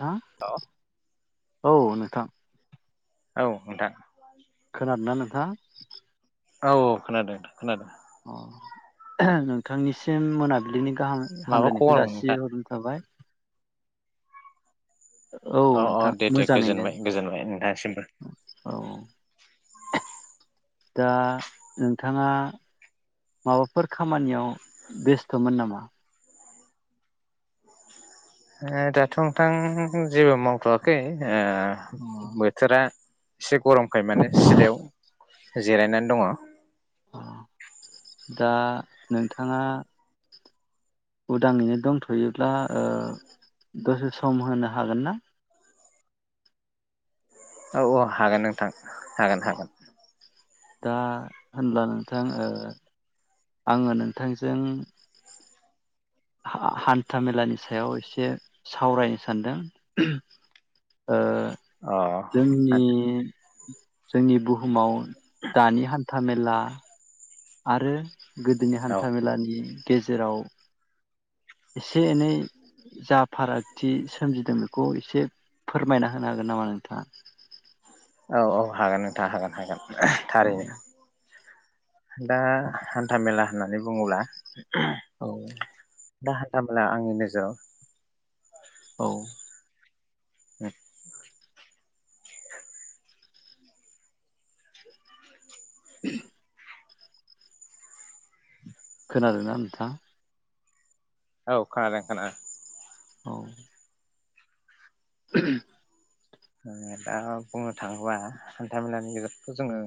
ना औ नोंथां। औ नोंथां। खोनादोंना नोंथां? औ औ खोनादों नोंथां खोनादों। अ नोंथांनिसिम मोनाबिलिनि गाहाम माबा हामलायनायखौ खबरमोन नोंथां जासिहरनाय थाबाय। औ नोंथां दे दे मोजाङैनो गोजोनबाय गोजोनबाय नोंथांसिमबो औ। दा नोंथाङा माबाफोर खामानियाव बेस्थ'मोन नामा? ओ दाथ' नोंथां जेबो मावथ'वाखै। ओ बोथोरा एसे गरमखाय माने सिलायाव जिरायनानै दङ। दा नोंथाङा उदाङैनो दंथ'योब्ला ओ दसे सम होनो हागोन ना? औ औ हागोन नोंथां। हागोन हागोन। दा होनब्ला नोंथां ओ आङो नोंथांजों हान्था मेलानि सायाव एसे सावरायनो सानदों ओ अ जोंनि जोंनि बुहुमाव दानि हान्था मेला आरो गोदोनि औ हान्था मेलानि गेजेराव एसे एनै जा फारागथि सोमजिदों बेखौ एसे फोरमायना होनो हागोन नामा नोंथाङा औ औ हागोन नोंथां हागोन हागोन [unintelligible] थारैनो दा हान्था मेला होननानै बुङोब्ला औ दा हान्था मेला आंनि नोजोराव औ [unintelligible] [unintelligible] खोनादोना नोंथां औ खोनादों खोना औ [unintelligible] ओ दा बुंनो थाङोब्ला हान्था मेलानि गेजेरावथ' जोङो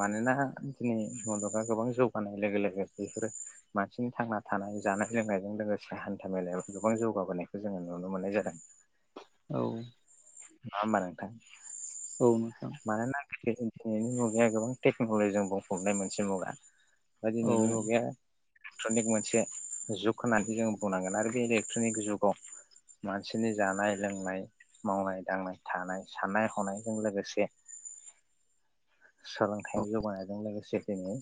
मानोना दिनै मुलुगा गोबां जौगानाय लोगो लोगो बेफोरो मानसिनि थांना थानाय जानाय लोंनायजों लोगोसे हान्था मेलायाव गोबां जौगाबोनायखौ जोङो नुनो मोननाय जादों औ नङा होम्बा नोंथां औ नोंथां मानोना दिनैनि मुगाया गोबां टेक्न'लजिजों बुंफबनाय मोनसे मुगा बा औ दिनैनि मुगाया इलेक्ट्रनिक मोनसे जुग होननानै जों बुंनांगोन आरो बे इलेक्ट्रनिक जुगाव मानसिनि जानाय लोंनाय मावनाय दांनाय थानाय साननाय हनायजों लोगोसे सोलोंथाइयाव जौगानायजों लोगोसे दिनै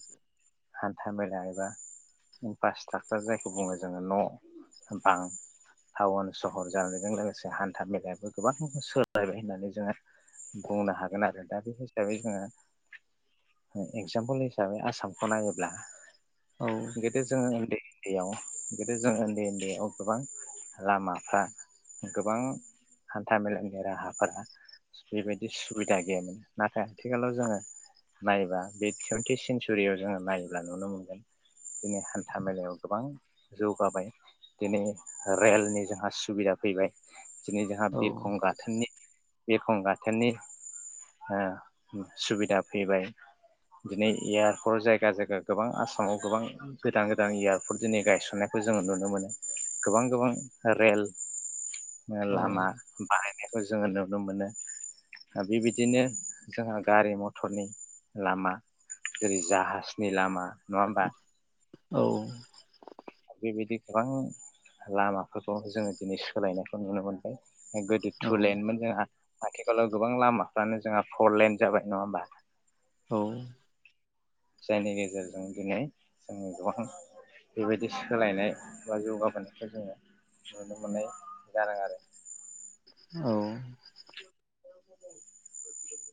हान्था मेला एबा इनफ्र्ट्राकचार जायखौ बुङो जोङो न' बां टाउन सहर जानायजों लोगोसे हान्था मेलायाबो गोबां सोलायबाय होननानै जोङो बुंनो हागोन आरो दा बे हिसाबै जोङो एक्जामपोल हिसाबै आसामखौ नायोब्ला औ गोदो जोङो उन्दै उन्दैयाव गोदो जों उन्दै उन्दैयाव गोबां लामाफ्रा गोबां हान्था मेलानि राहाफोरा बेबायदि सुबिदा गैयामोन नाथाय आथिखालाव जोङो नायबा बे टुवन्टि सेन्सुरियाव जोङो नायोब्ला नुनो मोनगोन दिनै हान्था मेलायाव गोबां जौगाबाय दिनै रेलनि जोंहा सुबिदा फैबाय दिनै जोंहा औ बिरखं गाथोननि बिरखं गाथोननि सुबिदा फैबाय दिनै एयारपर्ट जायगा जायगा गोबां आसामाव गोबां गोदान-गोदान एयारपर्ट दिनै गायसननायखौ जोङो नुनो मोनो गोबां गोबां रेल लामा बानायनायखौ जोङो नु नो मोनो बेबायदिनो जोंहा गारि मथर क्टरनि लामा जेरै जाहाजनि लामा नङा होमबा औ बेबायदि गोबां लामाफोरखौ जोङो दिनै सोलायनायखौ नुनो औ मोनबाय [unintelligible] आथिखालाव गोबां लामाफ्रानो जोंहा फर लाइन जाबाय नङा होमबा औ। जायनि गेजेरजों दिनै जों गोबां बेबायदि सोलायनाय बा जौगाबोनायखौ जोङो नुनो मोननाय जादों आरो औ। [inaudible]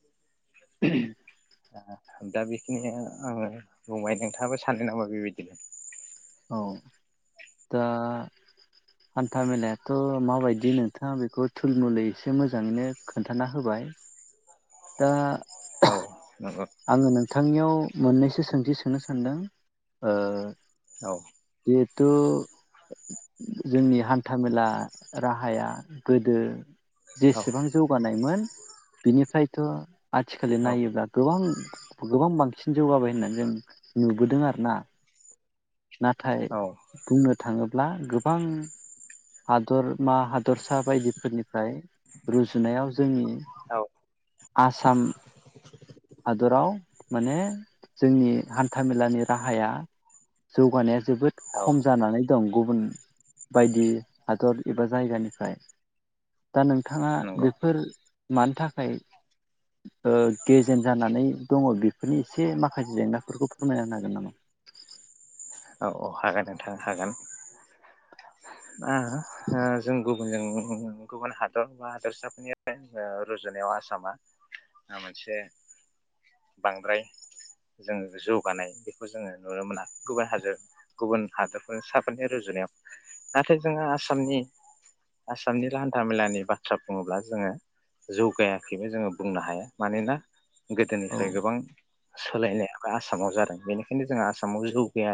दा बेखिनिया आङो बुंबाय नोंथाङाबो सानो नामा बेबायदिनो? औ दा हान्था मेलायाथ' माबायदि नोंथाङा बेखौ थुलमुलै एसे मोजाङैनो खोन्थाना होबाय। दा औ। नंगौ आङो नोंथां नोंथांनियाव मोननैसो सोंथि सोंनो सानदों ओ औ। जिहेथु जोंनि हान्थामेला राहाया गोदो औ जेसेबां जौगानायमोन बिनिफ्रायथ' आथिखालै नायोब्ला गोबां बांसिन जौगाबाय होनना जों नुबोदों आरोना। नाथाय औ बुंनो थाङोब्ला गोबां हादर मा हादरसा बायदिफोरनिफ्राय रुजुनायाव जोंनि औ आसाम दराव माने जोंनि हान्था मेलानि राहाया जौगानाय जोबोद औ खम जानानै दं गुब गुबुन बायदि हादर एबा जायगानिफ्राय दा नोंथाङा नंगौ बेफोर मानि थाखाय ओ गेजेन जानानै दङ' बेफोरनि एसे माखासे जेंनाफोरखौ फोरमाना होनो हागोन नामा? औ औ हागोन नोंथां हागोन। दा ओ जों गुबु जों गुबुन हादर बा हादोरसाफोरनि ओ रुजुनायाव आसामा मोनसे बांद्राय जोङो जौगानाय बेखौ जोङो नुनो मोना गुबुन हादोर गुबुन हादरफोरसाफोरनि रुजुनायाव नाथाय जोङो आसामनि आसामनि लान्था मेलानि बाथ्रा बुङोब्ला जोङो जौगायाखैबो जोङो बुंनो हाया मानोना औ गोदोनिफ्राय गोबां सोलायने आसामाव जादों बेनिखायनो जोंहा आसामाव जौगाया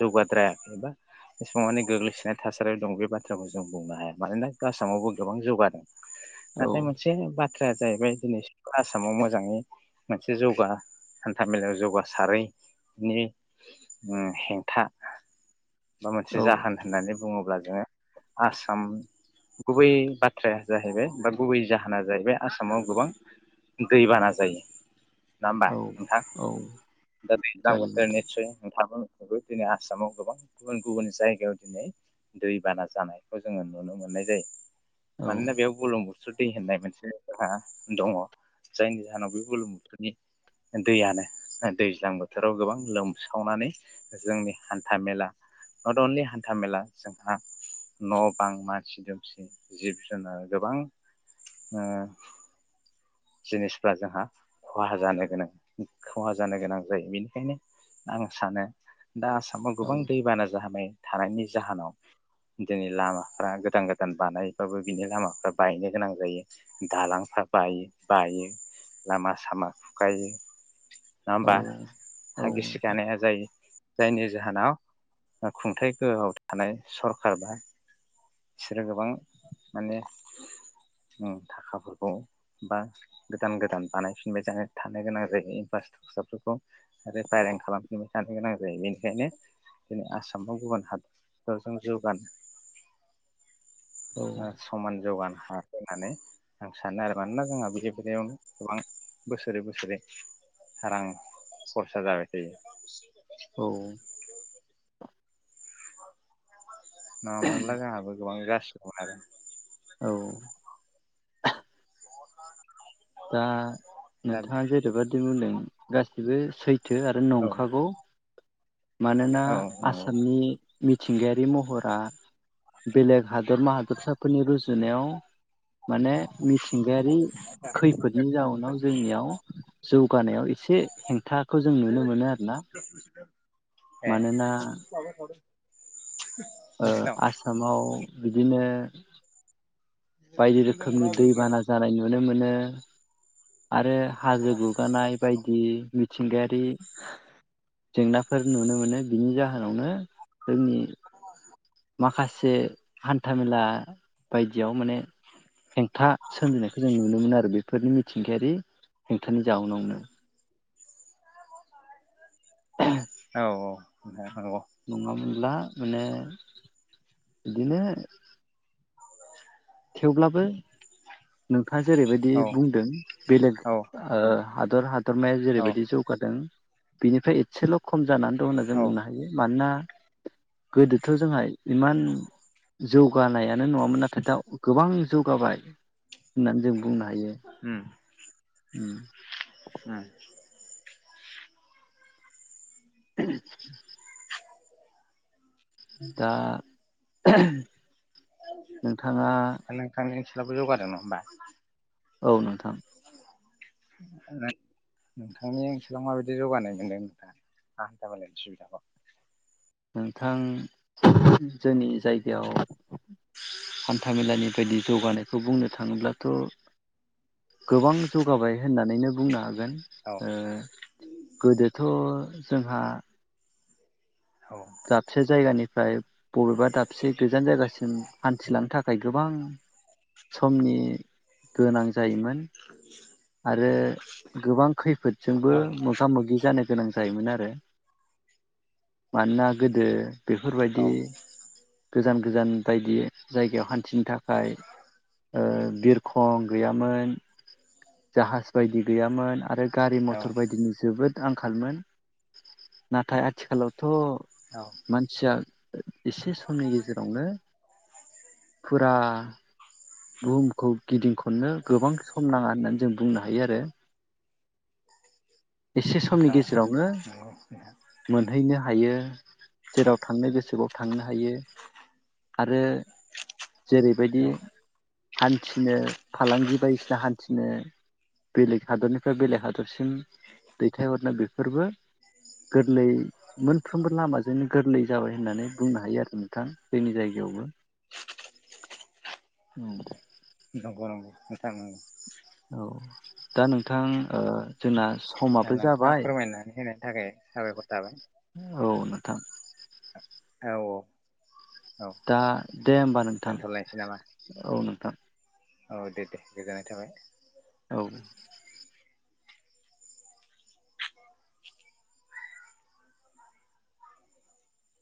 जौगाद्राया एबा एसेबां माने गोग्लैसोनाय थासारियाव दं बे बाथ्राखौ जों बुंनो हाया मानोना आसामावबो गोबां जौगादों। औ नाथाय मोनसे बाथ थ्राया जाहैबाय दिनैसिमबो आसामाव मोजाङै मोनसे जौगा हान्था मेलायाव जौगासारै नि उम हेंथा माबा मोनसे औ जाहोन होननानै दुङोब्ला जोङो आसाम गुबै बाथ्राया जाहैबाय बा गुबै जाहोना जाहैबाय आसामाव गोबां दैबाना जायो। नङा होमबा औ नोंथां? औ दा जायो [unintelligible] नोंथां निथसय नोंथांआबो दिनै आसामाव गोबां गुबुन गुबुन जायगायाव दिनै दैबाना जानायखौ जोङो नुनो मोननाय जायो। मानोना बेयाव बुलुंबु सुदै होननाय मोनसे रा दङ जायनि जाहोनाव बे बुलुम बुथुरनि दैयानो दैज्लां बोथोराव गोबां लोमसावनानै जोंनि हान्था मेला नट अनलि हान्था मेला जोंहा न' बां मानसि दुमसि जिब जुनार गोबां ओ जिनिसफ्रा जोंहा खहा जानो गोनां खहा जानो गोनां जायो बेनिखायनो आं सानो दा आसामाव औ गोबां दैबाना जाहोनाय थानायनि जाहोनाव दिनै लामाफ्रा गोदान गोदान बानायबाबो बिनि लामाफ्रा बायनो गोनां जायो दालांफ्रा बायो। बायो लामा सामा खुखायो। नङा औ होमबा हा औ नोंथां गिसिखानाया जायो जायनि जाहोनाव खुंथाइ गोहोआव थानाय सरखारबा बिसोरो गोबां माने उम थाखाफोरखौ बा गोदान गोदान बानायफिनबाय जानो थानो गोनां जायो बास्टसफोरखौ रिफायारिं खालामफिनबाय थानो गोनां जायो बे बेनो [unintelligible] [unintelligible] गुबुन हादफोरजों जौगानो। ओ समान जौगानो हाया। होननानै आं सानो आरो। मानोना जोंहा बिद बिलायावनो गोबां बोसोरै बोसोरै रां खरसा जाबाय थायो। औ। ना मोनला [unintelligible] औ। दा दा बे नोंथाङा जेरैबा [unintelligible] गासिबो सै थो आरो औ नंखागौ। मानोना औ नंगौ आसामनि मिथिंगायारि महरा बेलेग हादरमा हादरसाफोरनि रुजुनायाव माने मिथिंगायारि खैफोदनि जाउनाव जोंनियाव जौगानायाव एसे हेंथाखौ जों नुनो मोनो आरोना ए मानोना ओ नोंसिनाव आसामाव बिदिनो बायदि रोखोमनि दैबाना जानाय नुनो मोनो आरो हाजो गुगानाय बायदि मिथिंगायारि। जेंनाफोर नुनो मोनो बिनि जाहोनावनो जोंनि माखासे हान्थामेला बायदियाव माने हेंथा सोमजिनायखौ जों नुनो मोनो आरो बेफोरनि मिथिंगायारि हेंथानि जाउनावनो औ औ। नंगौ [unintelligible] अब्ला माने बिदिनो थेवब्लाबो [unintelligible] बिथांङा जेरैबायदि औ बुंदों बेलेग औ ओ हादर हाद हदरमाया औ जेरैबायदि जौगादों। बेनिफ्राय एसेल' खम जानानै दं होनना जों औ बुंनो हायो मानोना गोदोथ' जोंहा इमान जौगानायानो नङामोन नाथाय दा गोबां जौगाबाय होननानै जों बुंनो हायो। उ हम [unintelligible] दा नोंथाङा फस्लाबो जौगादों नङा होमबा औ नोंथां। नोंथांनि ओनसोलाव माबायदि जौगानाय मोनदों नोंथाङा मा हान्था मालानि सुबिदाखौ? नोंथां जोंनि जायगायाव हान्थामेलानि बायदि जौगानायखौ बुंनो थाङोब्लाथ' गोबां जौगाबाय होननानैनो बुंनो हाग गोन औ ओ गोदोथ' जोंहा औ दाबसे जायगानि फ्राय बबेबा दाबसे गोजान जायगासिम हान्थिलांनो थाखाय गोबां समनि गोनां जायोमोन आरो गोबां खैफोदजोंबो औ मोगा मोगि जानो गोनां जायोमोन आरो। मानोना गोदो बेफोरबायदि औ गोजान गोजान बायदि जायगायाव हान्थिनो थाखाय ओ बिरखं गैयामोन। जाहाज बायदि गैयामोन आरो। गारि मथर बायदिनि जोबोद आंखालमोन नाथाय आथिखालाव औ थ' मानसिया एसे समनि गेजेरावनो फुरा बुहुमखौ गिदिं खननो गोबां सम नाङा होननानै जों बुंनो हायो आरो। एसे समनि गेजेरावनो मोनहैनो हायो। जेराव थांनो गोसाव थांनो हायो आरो औ जेरैबायदि औ हान्थिनो फालांगि बायदिसिना हान्थिनो बेलेग हादरनिफ्राय बेलेग हादरसिम दैथायहरनो बेफोरबो गोरलै मोनफ्रोमबो लामाजोंनो गोरलै जाबाय होननानै बुंनो हायो आरो नोंथां जोंनि जायगायावबो। औ नंगौ नंगौ नोंथां ओं। औ दा नोंथां ओ जोंना ओ समाबो नोंथाङा जाबाय फोरमायनानै होनाय नि थाखाय साबायखर थाबाय। औ नोंथां। औ औ। औ दा दे होमबा नोंथां दोनथ'लायनोसै नामा औ नोंथां। औ दे दे गोजोननाय थाबाय। औ।